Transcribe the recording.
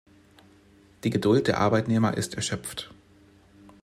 Die Geduld der Arbeitnehmer ist erschöpft.